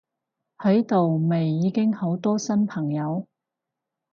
喺度咪已經好多新朋友！